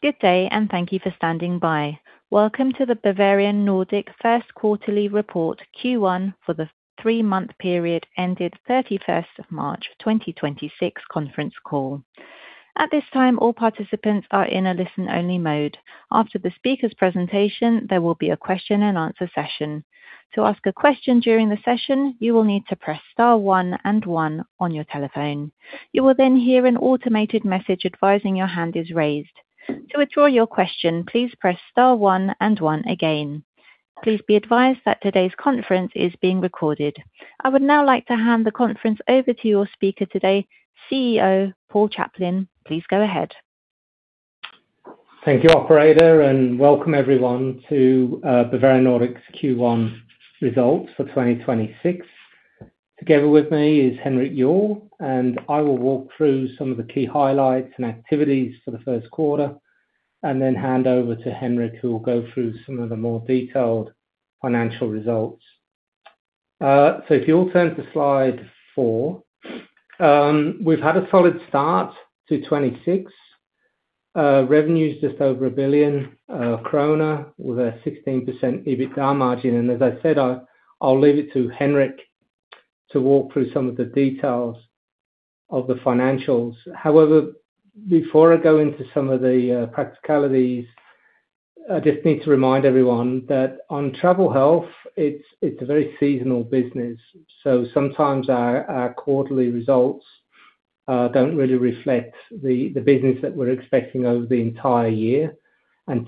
Good day, thank you for standing by. Welcome to the Bavarian Nordic first quarterly report Q1 for the three-month period ended March 31, 2026 conference call. At this time all participants are in a listen only mode. After the speakers presentation, there will be a question and answer session. To ask a question during the session, you will need to press star one and one on your telephone. You will then hear an automated message advising your hand is raised. To withdraw your question, please press star one and one again. Please be advised that today's conference is being recorded. I would now like to hand the conference over to your speaker today, CEO Paul Chaplin. Please go ahead. Thank you, operator. Welcome everyone to Bavarian Nordic's Q1 results for 2026. Together with me is Henrik Juuel, and I will walk through some of the key highlights and activities for the first quarter and then hand over to Henrik, who will go through some of the more detailed financial results. If you all turn to slide four, we've had a solid start to 2026. Revenue is just over 1 billion krone with a 16% EBITDA margin, and as I said, I'll leave it to Henrik to walk through some of the details of the financials. However, before I go into some of the practicalities, I just need to remind everyone that on travel health, it's a very seasonal business. Sometimes our quarterly results don't really reflect the business that we're expecting over the entire year.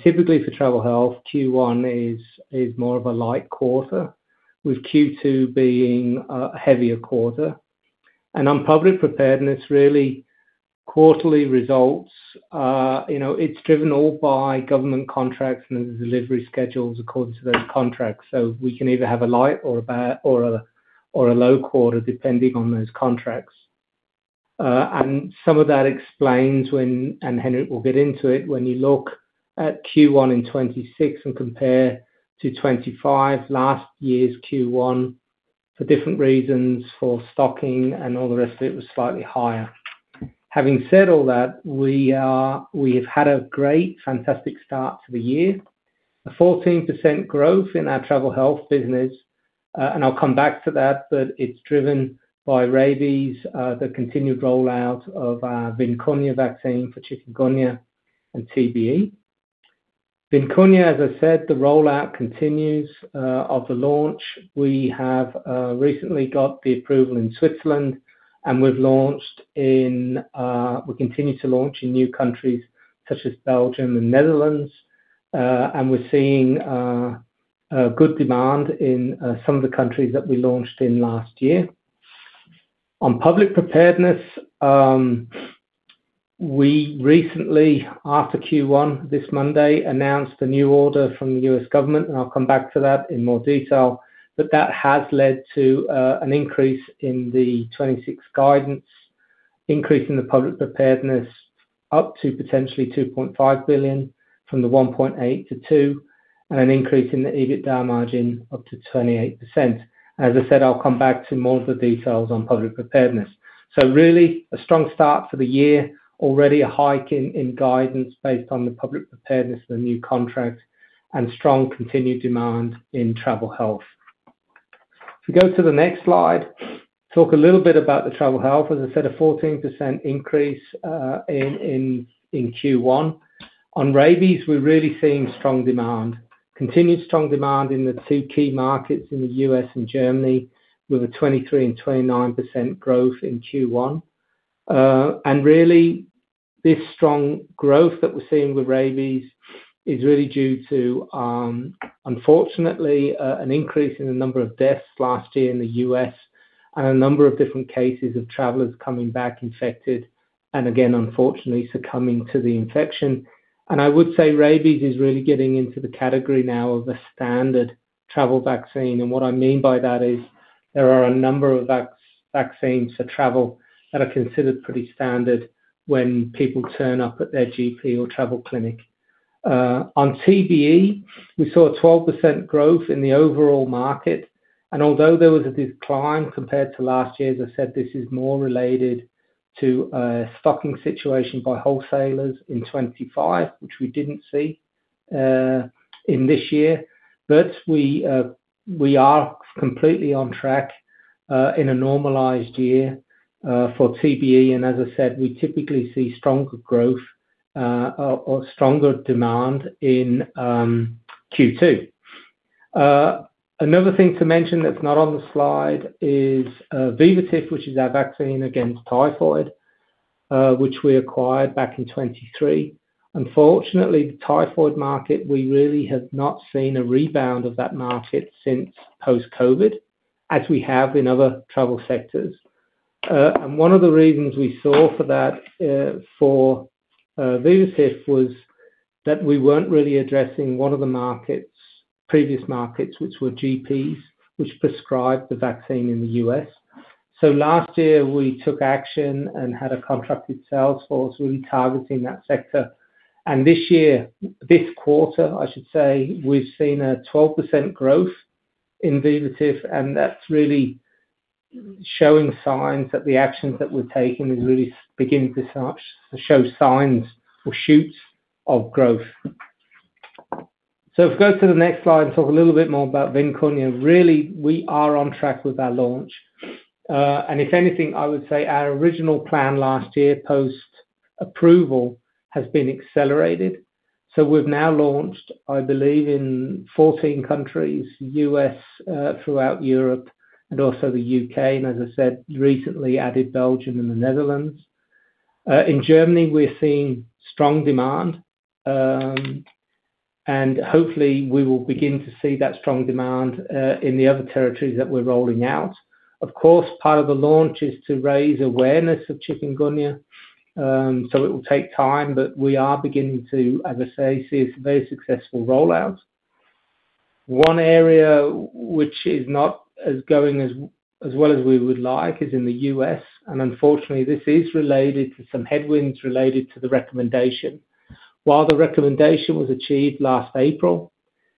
Typically for travel health, Q1 is more of a light quarter, with Q2 being a heavier quarter. On public preparedness really quarterly results, you know, it's driven all by government contracts and the delivery schedules according to those contracts. We can either have a light or a bad or a low quarter depending on those contracts. Some of that explains when, and Henrik will get into it, when you look at Q1 in 2026 and compare to 2025, last year's Q1 for different reasons for stocking and all the rest of it was slightly higher. Having said all that, we've had a great, fantastic start to the year. A 14% growth in our travel health business, and I'll come back to that, but it's driven by rabies, the continued rollout of our VIMKUNYA vaccine for Chikungunya and TBE. VIMKUNYA, as I said, the rollout continues of the launch. We have recently got the approval in Switzerland, and we've launched in, we continue to launch in new countries such as Belgium and Netherlands. We're seeing a good demand in some of the countries that we launched in last year. On public preparedness, we recently, after Q1 this Monday, announced a new order from the U.S. government, and I'll come back to that in more detail. That has led to an increase in the 2026 guidance, increase in the public preparedness up to potentially 2.5 billion from the 1.8 billion-2 billion, and an increase in the EBITDA margin up to 28%. As I said, I'll come back to more of the details on public preparedness. Really a strong start for the year. Already a hike in guidance based on the public preparedness for the new contract and strong continued demand in travel health. If you go to the next slide, talk a little bit about the travel health. As I said, a 14% increase in Q1. On rabies, we're really seeing strong demand. Continued strong demand in the two key markets in the U.S. and Germany with a 23% and 29% growth in Q1. Really this strong growth that we're seeing with rabies is really due to, unfortunately, an increase in the number of deaths last year in the U.S. and a number of different cases of travelers coming back infected and again, unfortunately, succumbing to the infection. I would say rabies is really getting into the category now of a standard travel vaccine. What I mean by that is there are a number of vaccines for travel that are considered pretty standard when people turn up at their GP or travel clinic. On TBE, we saw a 12% growth in the overall market, and although there was a decline compared to last year, as I said, this is more related to a stocking situation by wholesalers in 2025, which we didn't see in this year. We are completely on track in a normalized year for TBE. As I said, we typically see stronger growth or stronger demand in Q2. Another thing to mention that's not on the slide is Vivotif, which is our vaccine against typhoid, which we acquired back in 2023. Unfortunately, the typhoid market, we really have not seen a rebound of that market since post-COVID, as we have in other travel sectors. One of the reasons we saw for that for Vivotif was that we weren't really addressing one of the markets, previous markets, which were GPs, which prescribed the vaccine in the U.S. Last year, we took action and had a contracted sales force really targeting that sector. This quarter, I should say, we've seen a 12% growth in Vivotif, that's really showing signs that the actions that we're taking is really beginning to start to show signs or shoots of growth. If we go to the next slide and talk a little bit more about VIMKUNYA. Really, we are on track with our launch. If anything, I would say our original plan last year post-approval has been accelerated. We've now launched, I believe, in 14 countries, U.S., throughout Europe and also the U.K. As I said, recently added Belgium and the Netherlands. In Germany, we're seeing strong demand. Hopefully, we will begin to see that strong demand in the other territories that we're rolling out. Of course, part of the launch is to raise awareness of Chikungunya, so it will take time, but we are beginning to, as I say, see a very successful rollout. One area which is not going as well as we would like is in the U.S. Unfortunately, this is related to some headwinds related to the recommendation. While the recommendation was achieved last April,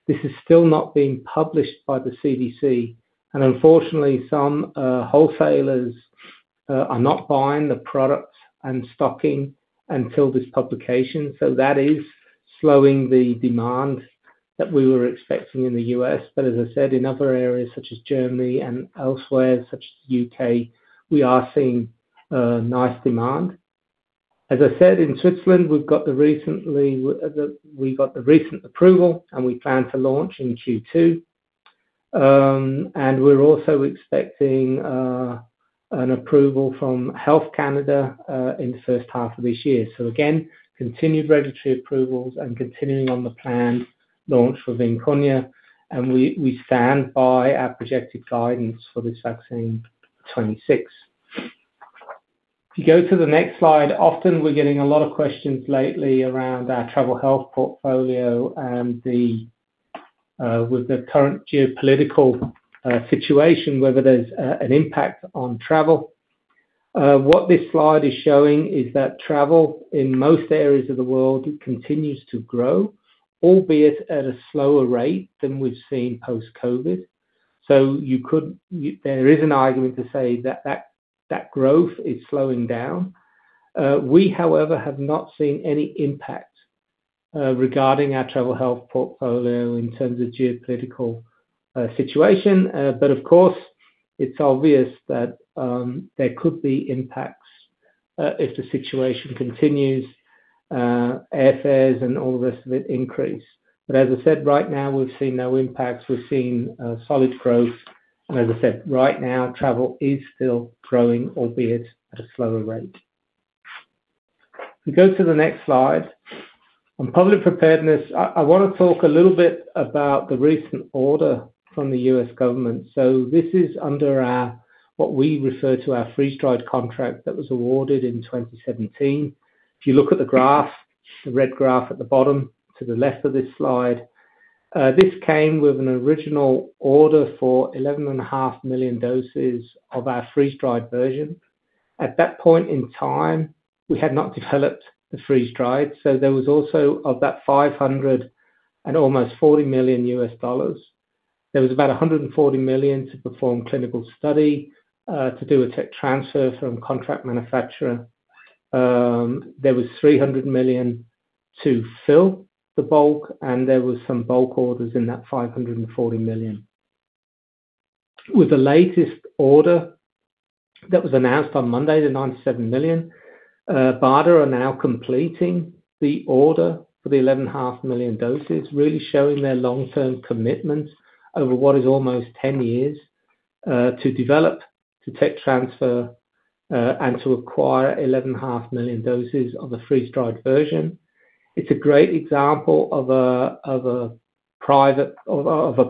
this is still not being published by the CDC. Unfortunately, some wholesalers are not buying the product and stocking until this publication. That is slowing the demand that we were expecting in the U.S. As I said, in other areas such as Germany and elsewhere, such as U.K., we are seeing nice demand. As I said, in Switzerland, we've got the recent approval, and we plan to launch in Q2. And we're also expecting an approval from Health Canada in the first half of this year. Again, continued regulatory approvals and continuing on the planned launch for VIMKUNYA, and we stand by our projected guidance for this vaccine 2026. If you go to the next slide, often we're getting a lot of questions lately around our travel health portfolio and the with the current geopolitical situation, whether there's an impact on travel. What this slide is showing is that travel in most areas of the world continues to grow, albeit at a slower rate than we've seen post-COVID. There is an argument to say that growth is slowing down. We, however, have not seen any impact regarding our travel health portfolio in terms of geopolitical situation. Of course, it's obvious that there could be impacts if the situation continues, airfares and all the rest of it increase. As I said, right now, we've seen no impacts. We've seen solid growth. As I said, right now, travel is still growing, albeit at a slower rate. If we go to the next slide. On public preparedness, I wanna talk a little bit about the recent order from the U.S. government. This is under our, what we refer to our freeze-dried contract that was awarded in 2017. If you look at the graph, the red graph at the bottom to the left of this slide, this came with an original order for 11.5 million doses of our freeze-dried version. At that point in time, we had not developed the freeze-dried, there was also of that 500 million and almost $40 million. There was about 140 million to perform clinical study, to do a tech transfer from contract manufacturer. There was 300 million to fill the bulk, and there was some bulk orders in that 540 million. With the latest order that was announced on Monday, the 97 million BARDA are now completing the order for the 11.5 million doses, really showing their long-term commitment over what is almost 10 years to develop, to tech transfer, and to acquire 11.5 million doses of the freeze-dried version. It's a great example of a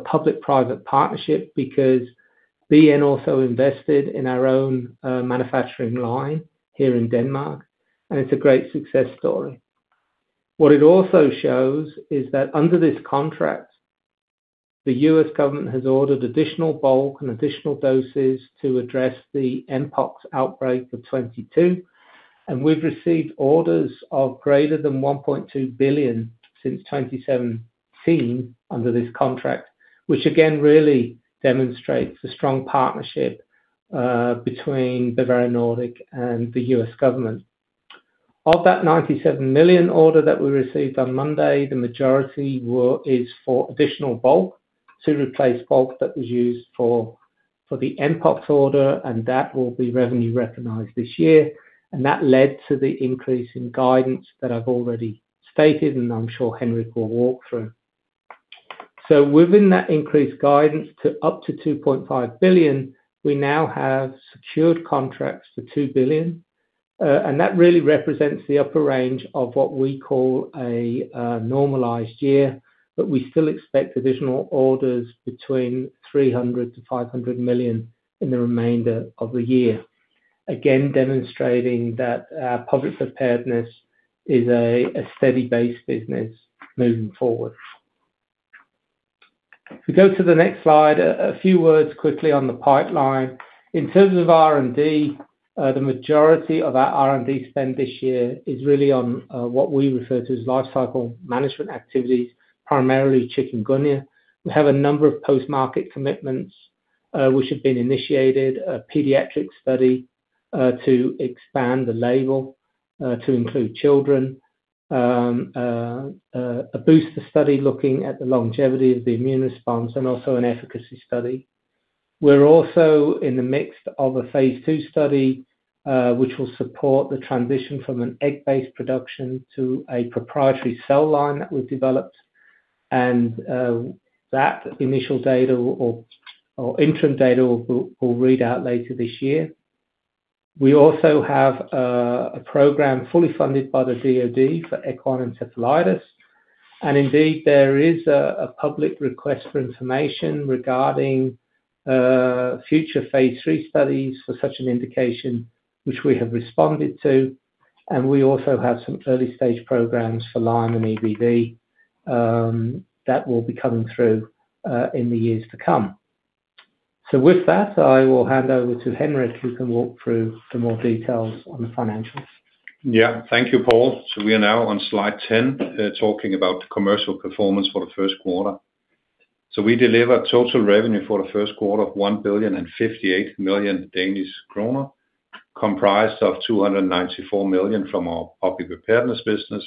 public-private partnership because BN also invested in our own manufacturing line here in Denmark, and it's a great success story. What it also shows is that under this contract, the U.S. government has ordered additional bulk and additional doses to address the mpox outbreak of 2022. We've received orders of greater than 1.2 billion since 2017 under this contract, which again, really demonstrates the strong partnership between Bavarian Nordic and the U.S. government. Of that 97 million order that we received on Monday, the majority is for additional bulk to replace bulk that was used for the mpox order. That will be revenue recognized this year. That led to the increase in guidance that I've already stated, and I'm sure Henrik will walk through. Within that increased guidance to up to 2.5 billion, we now have secured contracts for 2 billion, and that really represents the upper range of what we call a normalized year. We still expect additional orders between 300 million-500 million in the remainder of the year. Again, demonstrating that our public preparedness is a steady base business moving forward. If we go to the next slide, a few words quickly on the pipeline. In terms of R&D, the majority of our R&D spend this year is really on what we refer to as lifecycle management activities, primarily Chikungunya. We have a number of post-market commitments, which have been initiated. A pediatric study, to expand the label, to include children. A booster study looking at the longevity of the immune response, and also an efficacy study. We're also in the midst of a phase II study, which will support the transition from an egg-based production to a proprietary cell line that we've developed. That initial data or interim data will read out later this year. We also have a program fully funded by the DOD for equine encephalitis. Indeed, there is a public request for information regarding future phase III studies for such an indication, which we have responded to. We also have some early-stage programs for Lyme and EBV that will be coming through in the years to come. With that, I will hand over to Henrik, who can walk through some more details on the financials. Yeah. Thank you, Paul. We are now on slide 10, talking about the commercial performance for the first quarter. We delivered total revenue for the first quarter of 1, 058 million, comprised of 294 million from our public preparedness business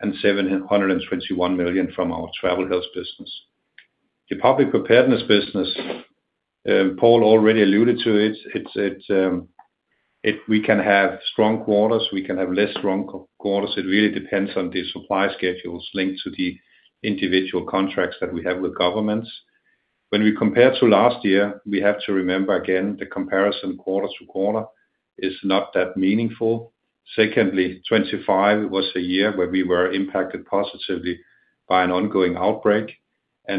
and 721 million from our travel health business. The public preparedness business, Paul already alluded to it. If we can have strong quarters, we can have less strong quarters. It really depends on the supply schedules linked to the individual contracts that we have with governments. When we compare to last year, we have to remember, again, the comparison quarter to quarter is not that meaningful. Secondly, 2025 was a year where we were impacted positively by an ongoing outbreak,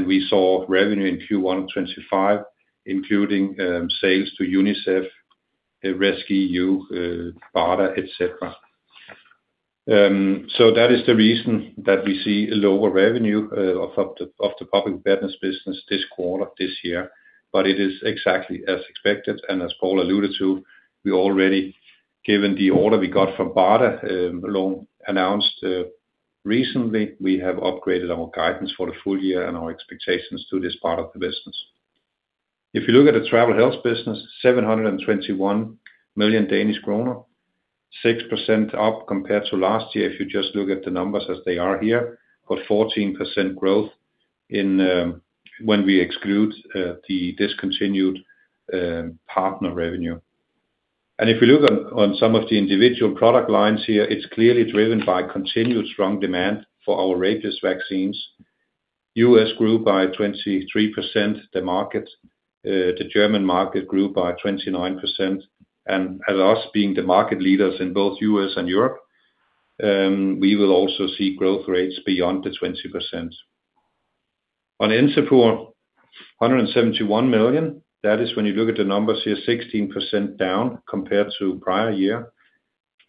we saw revenue in Q1 2025, including sales to UNICEF, rescEU, BARDA, et cetera. That is the reason that we see a lower revenue of the public preparedness business this quarter, this year. It is exactly as expected. As Paul alluded to, we already given the order we got from BARDA, along announced recently, we have upgraded our guidance for the full year and our expectations to this part of the business. If you look at the travel health business, 721 million Danish kroner, 6% up compared to last year, if you just look at the numbers as they are here. 14% growth in when we exclude the discontinued partner revenue. If you look on some of the individual product lines here, it's clearly driven by continued strong demand for our rabies vaccines. U.S. grew by 23% the market. The German market grew by 29%. As us being the market leaders in both U.S. and Europe, we will also see growth rates beyond the 20%. On Encepur, 171 million. That is when you look at the numbers here, 16% down compared to prior year.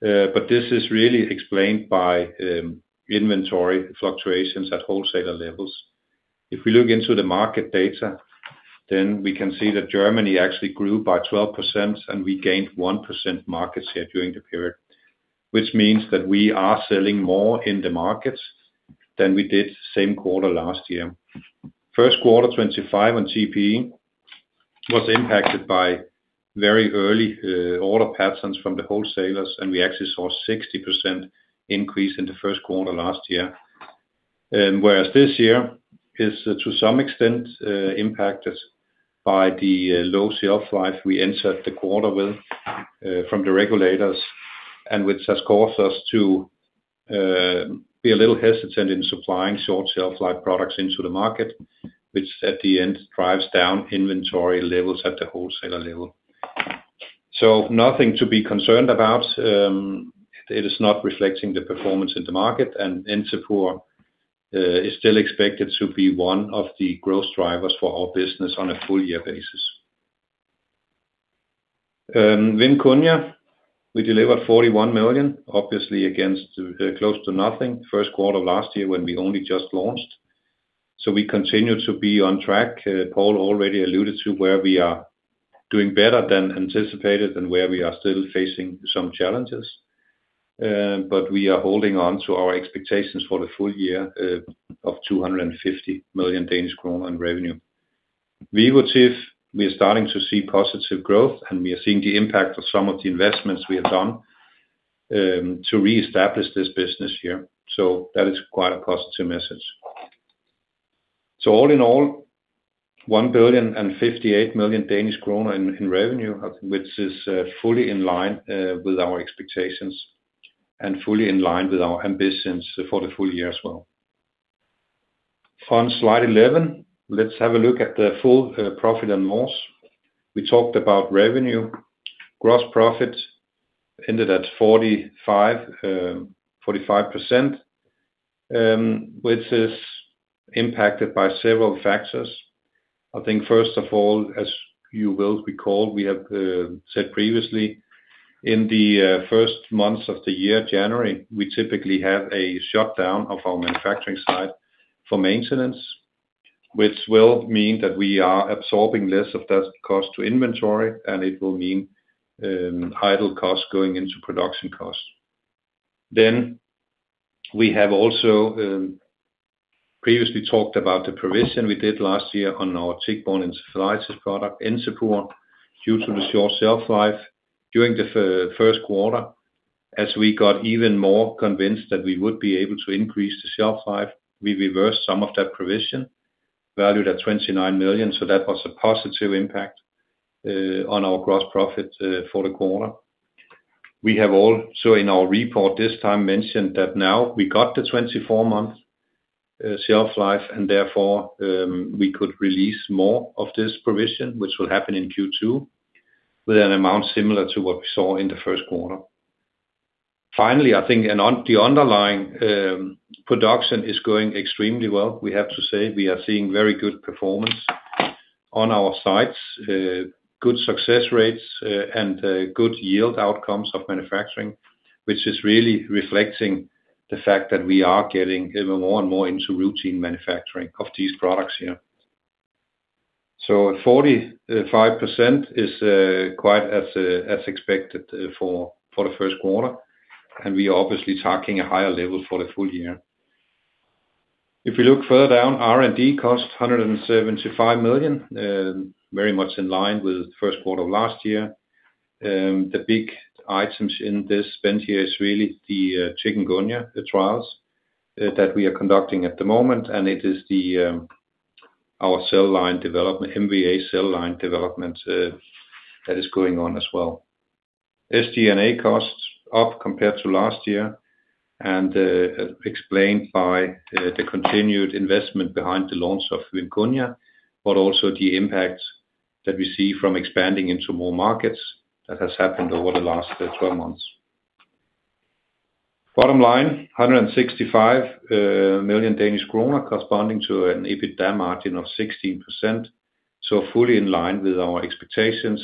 But this is really explained by inventory fluctuations at wholesaler levels. If we look into the market data, then we can see that Germany actually grew by 12%, and we gained 1% market share during the period. Which means that we are selling more in the markets than we did same quarter last year. First quarter 2025 on GP was impacted by very early order patterns from the wholesalers, and we actually saw 60% increase in the first quarter last year. Whereas this year is to some extent impacted by the low shelf life we entered the quarter with from the regulators, and which has caused us to be a little hesitant in supplying short shelf life products into the market, which at the end drives down inventory levels at the wholesaler level. Nothing to be concerned about. It is not reflecting the performance in the market. Encepur is still expected to be one of the growth drivers for our business on a full year basis. VIMKUNYA, we delivered 41 million, obviously against close to nothing first quarter last year when we only just launched. We continue to be on track. Paul already alluded to where we are doing better than anticipated and where we are still facing some challenges. We are holding on to our expectations for the full year of 250 million Danish kroner in revenue. Vivotif, we are starting to see positive growth, and we are seeing the impact of some of the investments we have done to reestablish this business here. That is quite a positive message. All in all, 1,058 million Danish kroner in revenue, which is fully in line with our expectations and fully in line with our ambitions for the full year as well. On slide 11, let's have a look at the full profit and loss. We talked about revenue. Gross profit ended at 45%, which is impacted by several factors. I think first of all, as you will recall, we have said previously in the first months of the year, January, we typically have a shutdown of our manufacturing site for maintenance. It will mean that we are absorbing less of that cost to inventory, and it will mean idle costs going into production costs. We have also previously talked about the provision we did last year on our tick-borne encephalitis product, Encepur, due to the short shelf life. During the first quarter, as we got even more convinced that we would be able to increase the shelf life, we reversed some of that provision, valued at 29 million. That was a positive impact on our gross profit for the quarter. We have also, in our report this time, mentioned that now we got the 24-month shelf life and therefore, we could release more of this provision, which will happen in Q2, with an amount similar to what we saw in the first quarter. Finally, I think and on the underlying production is going extremely well. We have to say we are seeing very good performance on our sites. Good success rates, and good yield outcomes of manufacturing, which is really reflecting the fact that we are getting even more and more into routine manufacturing of these products here. 45% is quite as expected for the first quarter, and we are obviously targeting a higher level for the full year. If you look further down, R&D costs, 175 million, very much in line with first quarter of last year. The big items in this spend here is really the Chikungunya, the trials that we are conducting at the moment, and it is the our cell line development, MVA cell line development, that is going on as well. SG&A costs up compared to last year and explained by the continued investment behind the launch of VIMKUNYA, but also the impact that we see from expanding into more markets that has happened over the last 12 months. Bottom line, 165 million Danish kroner, corresponding to an EBITDA margin of 16%, so fully in line with our expectations.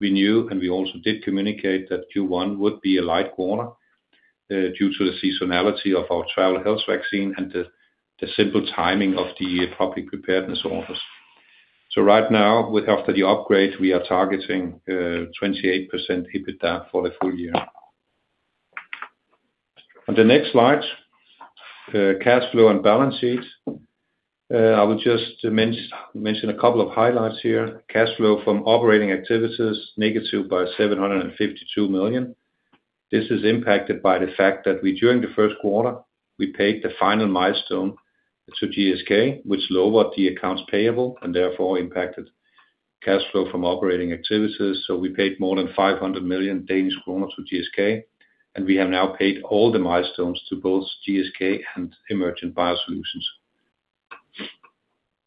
We knew and we also did communicate that Q1 would be a light quarter due to the seasonality of our travel health vaccine and the simple timing of the public preparedness orders. Right now, with after the upgrade, we are targeting 28% EBITDA for the full year. On the next slide, cash flow and balance sheet. I would just mention a couple of highlights here. Cash flow from operating activities, negative by 752 million. This is impacted by the fact that we, during the first quarter, we paid the final milestone to GSK, which lowered the accounts payable and therefore impacted cash flow from operating activities. We paid more than 500 million Danish kroner to GSK, and we have now paid all the milestones to both GSK and Emergent BioSolutions.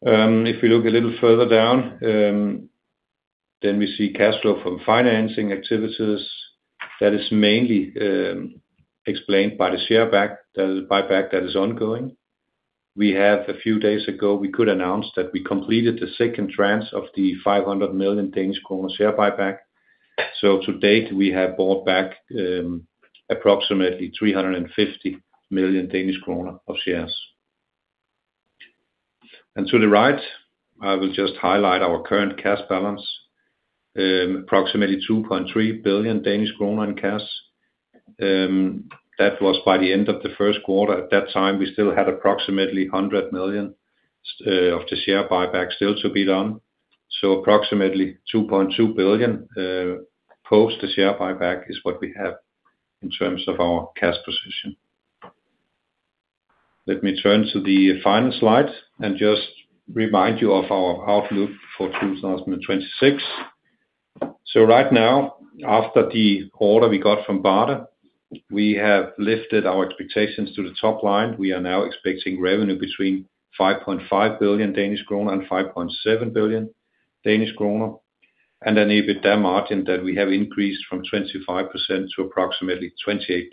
If you look a little further down, we see cash flow from financing activities that is mainly explained by the shareback, the buyback that is ongoing. We have a few days ago, we could announce that we completed the second tranche of the 500 million Danish kroner share buyback. To date, we have bought back approximately 350 million Danish kroner of shares. To the right, I will just highlight our current cash balance, approximately 2.3 billion Danish kroner in cash. That was by the end of the first quarter. At that time, we still had approximately 100 million of the share buyback still to be done. Approximately 2.2 billion post the share buyback is what we have in terms of our cash position. Let me turn to the final slide and just remind you of our outlook for 2026. Right now, after the order we got from BARDA, we have lifted our expectations to the top line. We are now expecting revenue between 5.5 billion Danish kroner and 5.7 billion Danish kroner, and an EBITDA margin that we have increased from 25% to approximately 28%.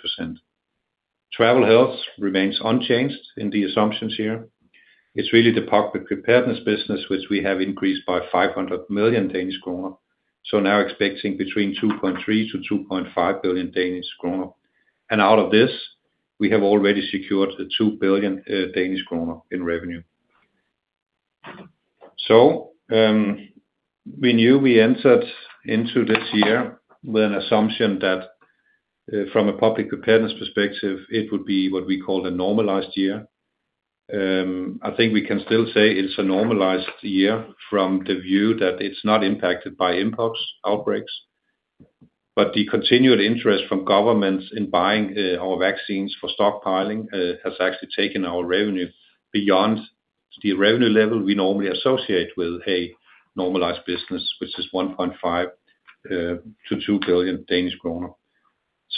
Travel health remains unchanged in the assumptions here. It's really the public preparedness business which we have increased by 500 million Danish kroner, so now expecting between 2.3 billion-2.5 billion Danish kroner. And out of this, we have already secured the 2 billion Danish kroner in revenue. We knew we entered into this year with an assumption that, from a public preparedness perspective, it would be what we call a normalized year. I think we can still say it's a normalized year from the view that it's not impacted by mpox outbreaks. The continued interest from governments in buying our vaccines for stockpiling has actually taken our revenue beyond the revenue level we normally associate with a normalized business, which is 1.5billion-2 billion Danish kroner.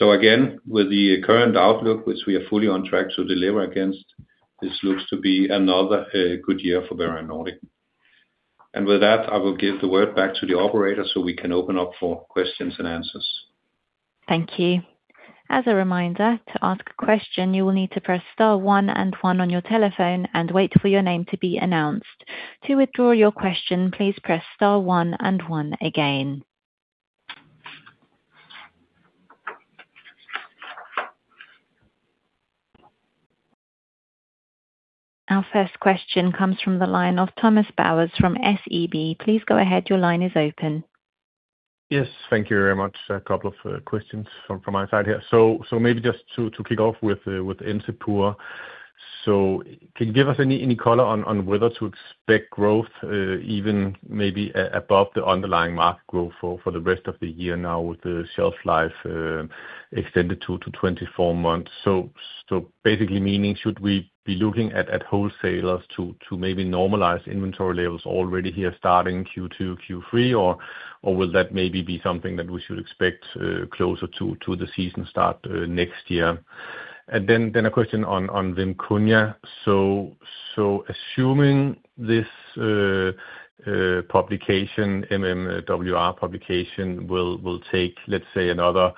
Again, with the current outlook, which we are fully on track to deliver against, this looks to be another good year for Bavarian Nordic. With that, I will give the word back to the operator, so we can open up for questions and answers. Thank you. As a reminder to ask question you need to press star one and one on your telephone and wait your name to be announced, to withdraw your question press start one and one again. Our first question comes from the line of Thomas Bowers from SEB. Yes. Thank you very much. A couple of questions from my side here. Maybe just to kick off with Encepur. Can you give us any color on whether to expect growth even maybe above the underlying market growth for the rest of the year now with the shelf life extended 2-24 months? Basically meaning should we be looking at wholesalers to maybe normalize inventory levels already here starting Q2, Q3, or will that maybe be something that we should expect closer to the season start next year? A question on VIMKUNYA. Assuming this MMWR publication will take, let's say, another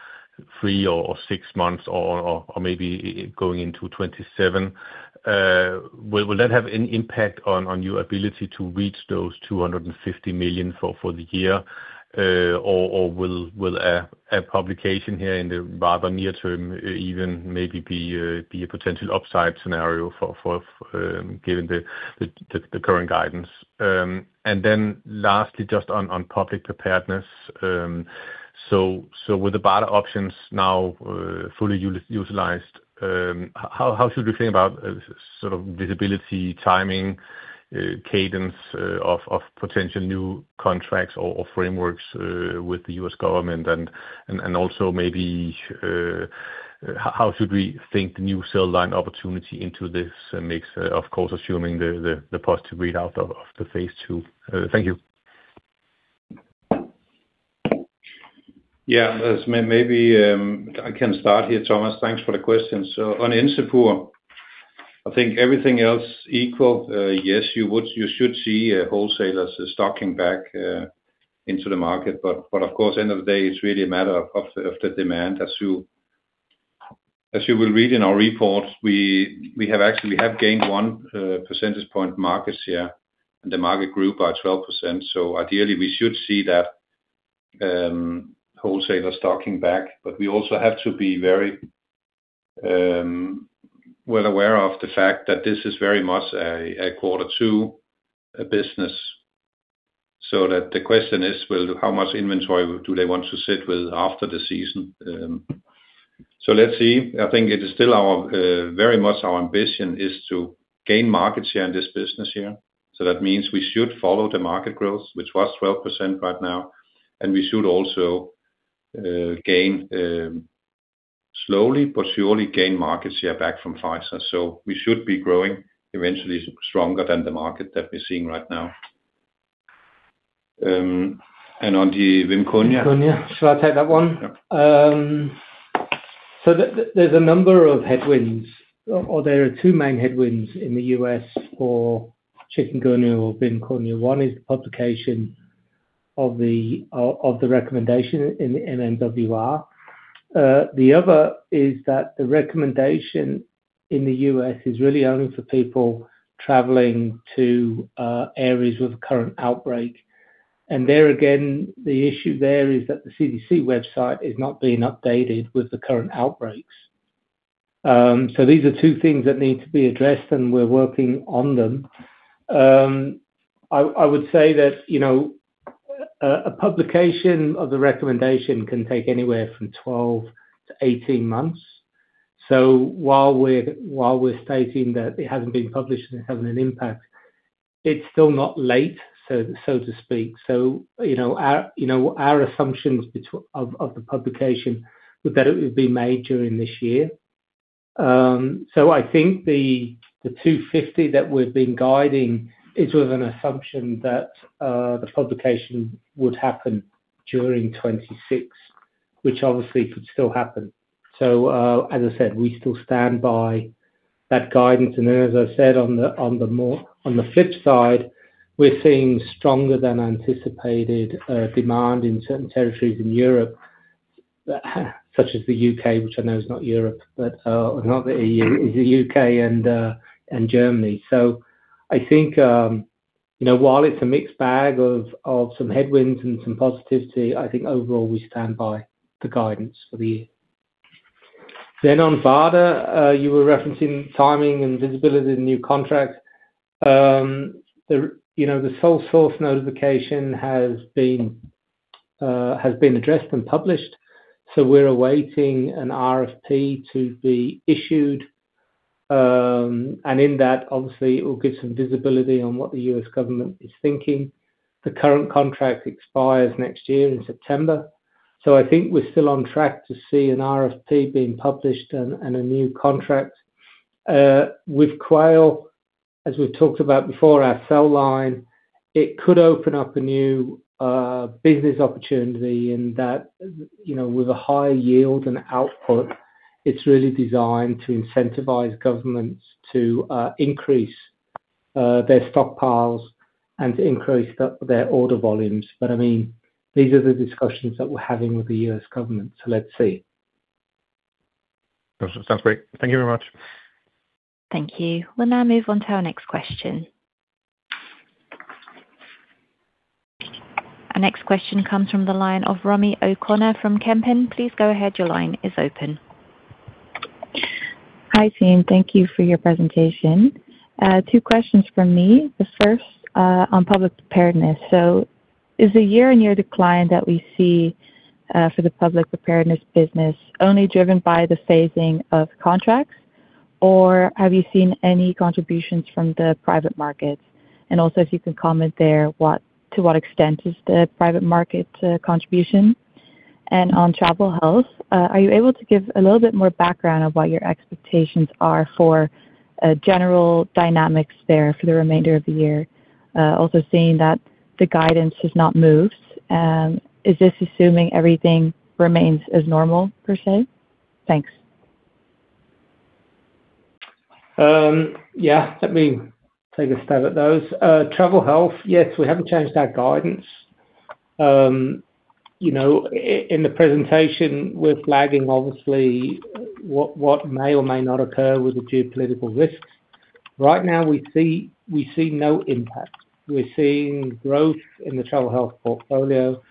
three or six months or maybe going into 2027, will that have any impact on your ability to reach those 250 million for the year? Or will a publication here in the rather near term even maybe be a potential upside scenario for given the current guidance? Lastly, just on public preparedness. With the BARDA options now fully utilized, how should we think about sort of visibility, timing, cadence of potential new contracts or frameworks with the U.S. government? Also maybe, how should we think the new cell line opportunity into this mix, of course, assuming the positive readout of the phase II? Thank you. Yeah. Let's maybe, I can start here, Thomas. Thanks for the question. On Encepur, I think everything else equal, yes, you should see wholesalers stocking back into the market. Of course, end of the day, it's really a matter of the demand. As you will read in our report, we have actually gained 1 percentage point market share, the market grew by 12%. Ideally we should see that wholesaler stocking back. We also have to be very well aware of the fact that this is very much a quarter two business. That the question is, how much inventory do they want to sit with after the season? Let's see. I think it is still our very much our ambition is to gain market share in this business here. That means we should follow the market growth, which was 12% right now, and we should also gain slowly but surely gain market share back from Pfizer. We should be growing eventually stronger than the market that we're seeing right now. Then on VIMKUNYA... VIMKUNYA. Shall I take that one? Yeah. There's a number of headwinds or there are two main headwinds in the U.S. for Chikungunya or VIMKUNYA. One is the publication of the recommendation in the MMWR. The other is that the recommendation in the U.S. is really only for people traveling to areas with current outbreak. There again, the issue there is that the CDC website is not being updated with the current outbreaks. These are the two things that need to be addressed, and we're working on them. I would say that, you know, a publication of the recommendation can take anywhere from 12-18 months. While we're stating that it hasn't been published and having an impact, it's still not late, to speak. You know, our, you know, our assumptions of the publication were that it would be made during this year. I think the 250 that we've been guiding is with an assumption that the publication would happen during 2026, which obviously could still happen. As I said, we still stand by that guidance. As I said, on the flip side, we're seeing stronger than anticipated demand in certain territories in Europe, such as the U.K., which I know is not Europe, but not the EU. It's the U.K. and Germany. I think, you know, while it's a mixed bag of some headwinds and some positivity, I think overall we stand by the guidance for the year. On BARDA, you were referencing timing and visibility of the new contract. The, you know, the sole source notification has been addressed and published, we're awaiting an RFP to be issued. In that, obviously it will give some visibility on what the U.S. government is thinking. The current contract expires next year in September. I think we're still on track to see an RFP being published and a new contract with Quail. As we've talked about before, our cell line, it could open up a new business opportunity in that, you know, with a higher yield and output. It's really designed to incentivize governments to increase their stockpiles and to increase their order volumes. I mean, these are the discussions that we're having with the U.S. government. Let's see. Sounds great. Thank you very much. Thank you. We'll now move on to our next question. Our next question comes from the line of Romy O'Connor from Kempen. Please go ahead. Your line is open. Hi, team. Thank you for your presentation. Two questions from me. The first on public preparedness. Is the year-on-year decline that we see for the public preparedness business only driven by the phasing of contracts, or have you seen any contributions from the private markets? Also if you can comment there, to what extent is the private market contribution. On travel health, are you able to give a little bit more background of what your expectations are for general dynamics there for the remainder of the year? Also seeing that the guidance has not moved, is this assuming everything remains as normal per se? Thanks. Yeah. Let me take a stab at those. Travel health, yes, we haven't changed our guidance. You know, in the presentation, we're flagging obviously what may or may not occur with the geopolitical risks. Right now, we see no impact. We're seeing growth in the travel health portfolio,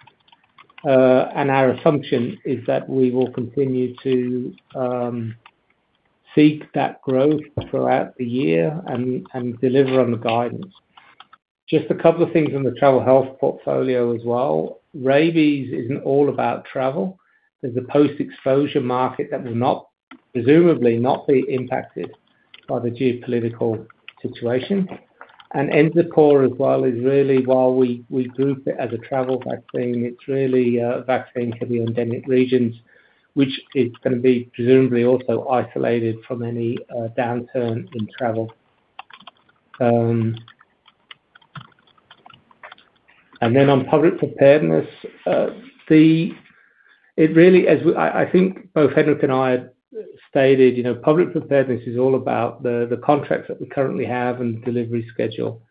and our assumption is that we will continue to seek that growth throughout the year and deliver on the guidance. Just a couple of things on the travel health portfolio as well. Rabies isn't all about travel. There's a post-exposure market that presumably not be impacted by the geopolitical situation. Encepur as well is really while we group it as a travel vaccine, it's really a vaccine for the endemic regions, which is gonna be presumably also isolated from any downturn in travel. On public preparedness, it really as I think both Henrik and I had stated, you know, public preparedness is all about the contracts that we currently have and delivery schedule.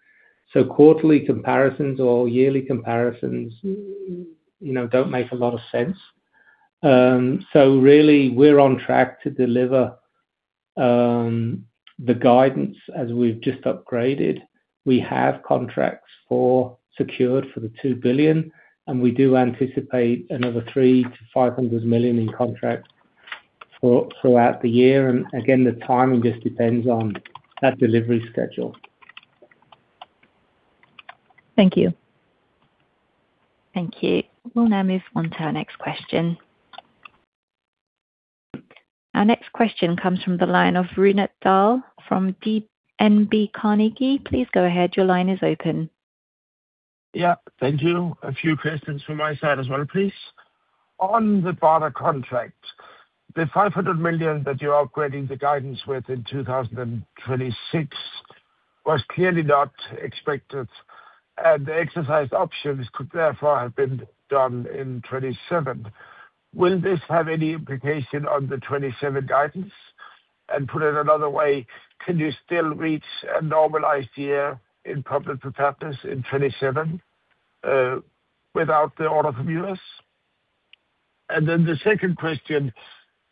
Quarterly comparisons or yearly comparisons, you know, don't make a lot of sense. Really we're on track to deliver the guidance as we've just upgraded. We have contracts secured for 2 billion, we do anticipate another 300 million-500 million in contracts throughout the year. Again, the timing just depends on that delivery schedule. Thank you. Thank you. We will now move on to our next question. Our next question comes from the line of Rune Dahl from DNB Carnegie. Please go ahead. Your line is open. Yeah. Thank you. A few questions from my side as well, please. On the BARDA contract, the 500 million that you're upgrading the guidance with in 2026 was clearly not expected, and the exercise options could therefore have been done in 2027. Will this have any implication on the 2027 guidance? Put it another way, can you still reach a normalized year in public preparedness in 2027 without the order from U.S.? The second question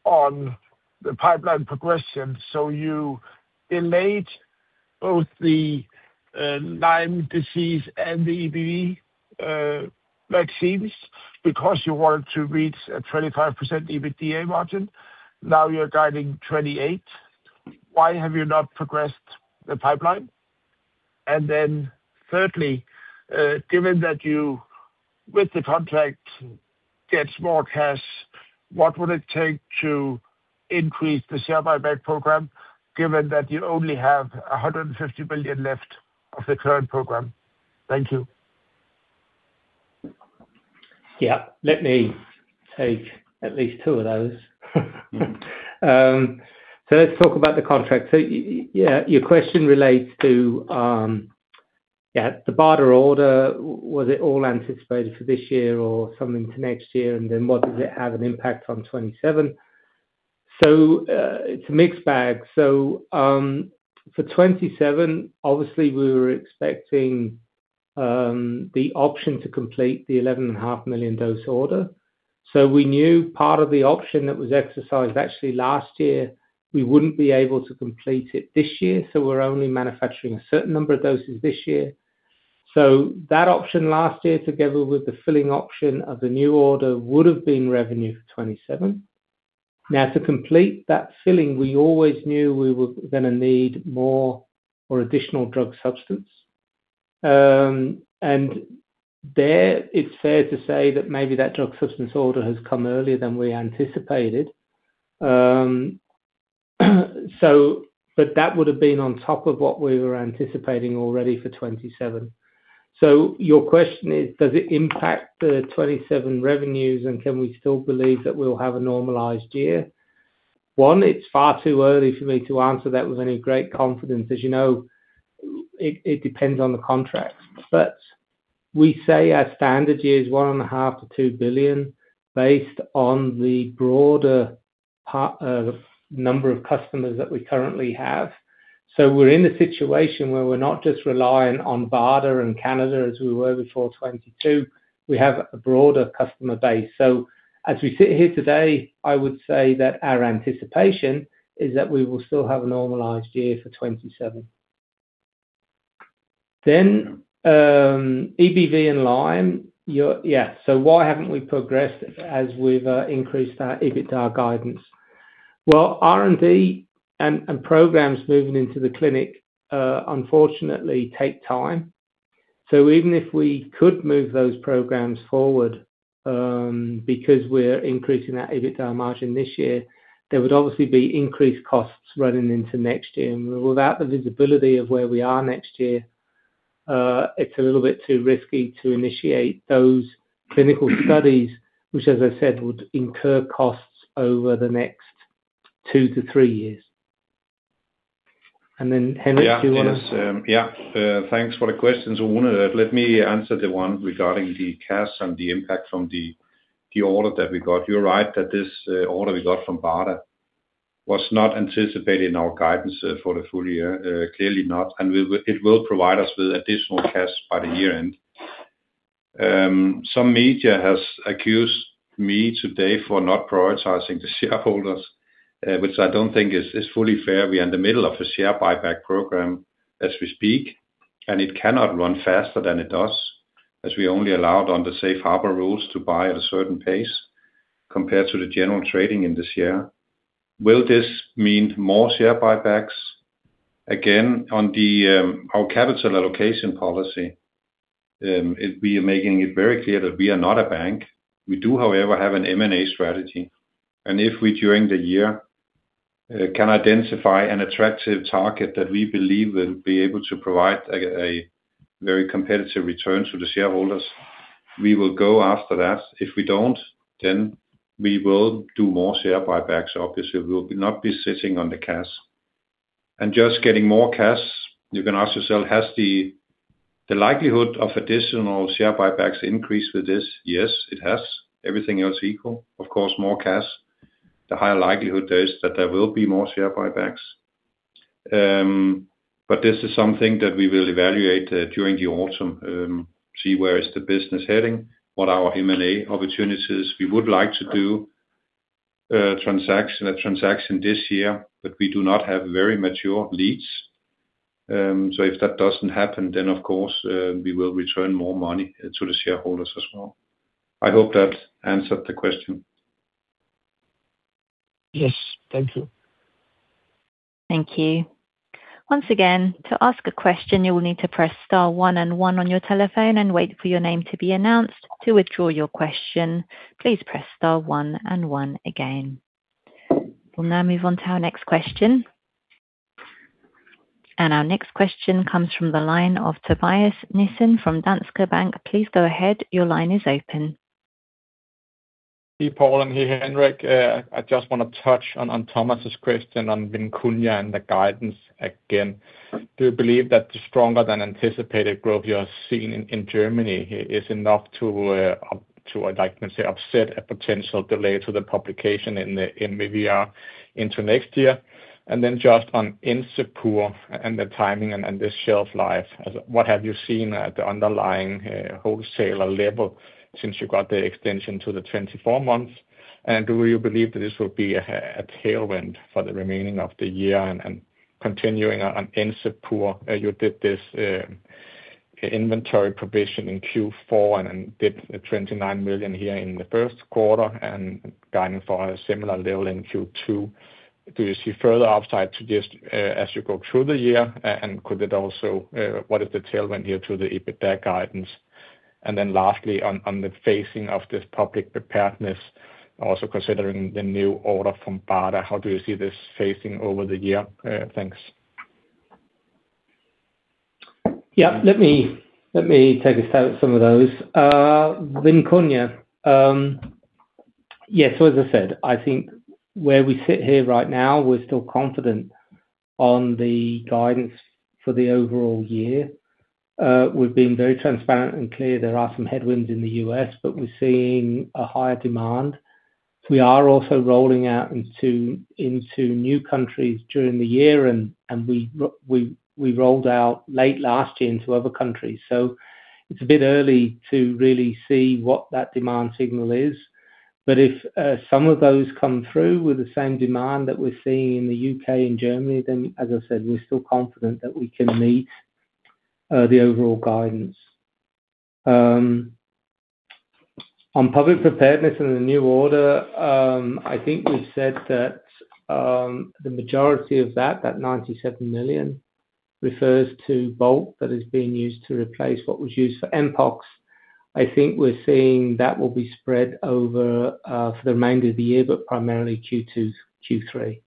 on the pipeline progression. You delayed both the Lyme disease and the EBV vaccines because you wanted to reach a 25% EBITDA margin. Now you're guiding 28%. Why have you not progressed the pipeline? Thirdly, given that you, with the contract get more cash, what would it take to increase the share buyback program, given that you only have 150 billion left of the current program? Thank you. Yeah. Let me take at least two of those. Let's talk about the contract. Yeah, your question relates to, yeah, the BARDA order, was it all anticipated for this year or something to next year? What does it have an impact on 2027? It's a mixed bag. For 2027, obviously we were expecting the option to complete the 11.5 million dose order. We knew part of the option that was exercised actually last year, we wouldn't be able to complete it this year, we're only manufacturing a certain number of doses this year. That option last year, together with the filling option of the new order, would've been revenue for 2027. Now, to complete that filling, we always knew we were gonna need more or additional drug substance. There it's fair to say that maybe that drug substance order has come earlier than we anticipated. That would've been on top of what we were anticipating already for 2027. Your question is, does it impact the 2027 revenues, and can we still believe that we'll have a normalized year? One, it's far too early for me to answer that with any great confidence. As you know, it depends on the contract. We say our standard year is 1.5 billion-2 billion based on the broader number of customers that we currently have. We're in a situation where we're not just relying on BARDA and Canada as we were before 2022. We have a broader customer base. As we sit here today, I would say that our anticipation is that we will still have a normalized year for 2027. EBV in line. You're Yeah. Why haven't we progressed as we've increased our EBITDA guidance? Well, R&D and programs moving into the clinic, unfortunately take time. Even if we could move those programs forward, because we're increasing our EBITDA margin this year, there would obviously be increased costs running into next year. Without the visibility of where we are next year, it's a little bit too risky to initiate those clinical studies, which as I said, would incur costs over the next 2 to 3 years. Henrik, do you wanna- Yeah. Yes. Yeah. Thanks for the question. Let me answer the one regarding the cash and the impact from the order that we got. You're right that this order we got from BARDA was not anticipated in our guidance for the full year. Clearly not. It will provide us with additional cash by the year-end. Some media has accused me today for not prioritizing the shareholders, which I don't think is fully fair. We are in the middle of a share buyback program as we speak, and it cannot run faster than it does, as we only allowed under safe harbor rules to buy at a certain pace compared to the general trading in the share. Will this mean more share buybacks? On the, our capital allocation policy, we are making it very clear that we are not a bank. We do, however, have an M&A strategy. If we, during the year, can identify an attractive target that we believe will be able to provide a very competitive return to the shareholders, we will go after that. If we don't, then we will do more share buybacks. Obviously, we will not be sitting on the cash. Just getting more cash, you can ask yourself, has the likelihood of additional share buybacks increased with this? Yes, it has. Everything else equal. Of course, more cash, the higher likelihood there is that there will be more share buybacks. This is something that we will evaluate during the autumn, see where is the business heading, what our M&A opportunity is we would like to do a transaction this year, but we do not have very mature leads. If that doesn't happen, of course, we will return more money to the shareholders as well. I hope that answered the question. Yes. Thank you. Thank you. Once again, to ask a question, you will need to press star one and one on your telephone and wait for your name to be announced. To withdraw your question, please press star one and one again. We will now move on to our next question. Our next question comes from the line of Tobias Nissen from Danske Bank. Please go ahead. Your line is open. Hey, Paul and Henrik. I just wanna touch on Thomas's question on VIMKUNYA and the guidance again. Do you believe that the stronger than anticipated growth you are seeing in Germany is enough to up to, I'd like to say, upset a potential delay to the publication in maybe into next year? Just on Encepur and the timing and the shelf life, as what have you seen at the underlying wholesaler level since you got the extension to the 24 months? Do you believe that this will be a tailwind for the remaining of the year? Continuing on Encepur, you did this inventory provision in Q4 and then did 29 million here in the first quarter and guiding for a similar level in Q2. Do you see further upside to this as you go through the year? Could it also, what is the tailwind here to the EBITDA guidance? Lastly, on the phasing of this public preparedness, also considering the new order from BARDA, how do you see this phasing over the year? Thanks. Yeah, let me take a stab at some of those. VIMKUNYA, yes, as I said, I think where we sit here right now, we're still confident on the guidance for the overall year. We've been very transparent and clear there are some headwinds in the U.S., we're seeing a higher demand. We are also rolling out into new countries during the year, we rolled out late last year into other countries. It's a bit early to really see what that demand signal is. If some of those come through with the same demand that we're seeing in the U.K. and Germany, as I said, we're still confident that we can meet the overall guidance. On public preparedness and the new order, I think we've said that the majority of that 97 million refers to bulk that is being used to replace what was used for Mpox. I think we're seeing that will be spread over for the remainder of the year, but primarily Q2, Q3.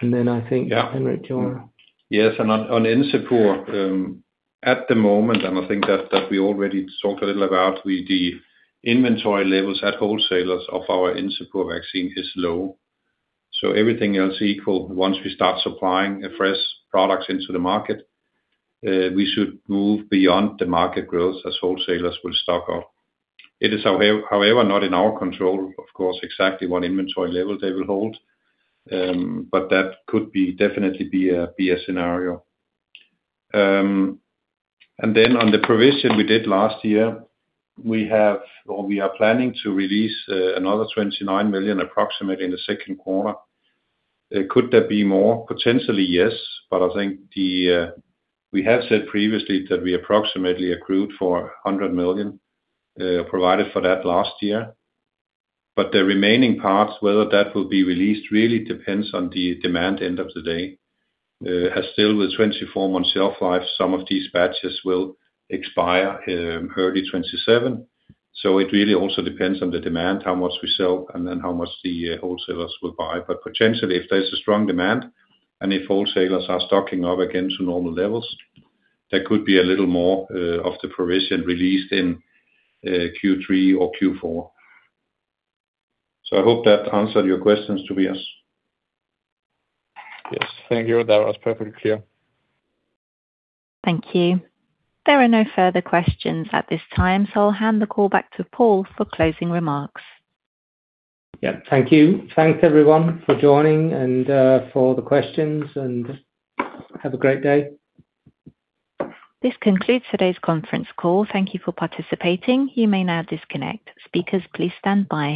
I think, Henrik. Yes. On Encepur, at the moment, I think we already talked a little about with the inventory levels at wholesalers of our Encepur vaccine is low. Everything else equal, once we start supplying fresh products into the market, we should move beyond the market growth as wholesalers will stock up. It is however, not in our control, of course, exactly what inventory level they will hold. That could definitely be a scenario. On the provision we did last year, we have or we are planning to release another 29 million approximately in the second quarter. Could there be more? Potentially, yes. I think we have said previously that we approximately accrued for 100 million, provided for that last year. The remaining parts, whether that will be released really depends on the demand end of the day. As still with 24-month shelf life, some of these batches will expire early 2027. It really also depends on the demand, how much we sell, and then how much the wholesalers will buy. Potentially, if there's a strong demand and if wholesalers are stocking up again to normal levels, there could be a little more of the provision released in Q3 or Q4. I hope that answered your questions, Tobias. Yes. Thank you. That was perfectly clear. Thank you. There are no further questions at this time, so I'll hand the call back to Paul for closing remarks. Yeah. Thank you. Thanks, everyone, for joining and for the questions, and have a great day. This concludes today's conference call. Thank you for participating. You may now disconnect. Speakers, please stand by.